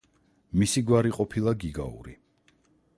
მისი გვარი ყოფილა გიგაური.